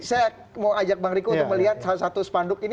saya mau ajak bang riko untuk melihat salah satu spanduk ini